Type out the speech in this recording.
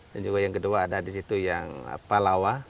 dan juga yang kedua ada di situ yang palawa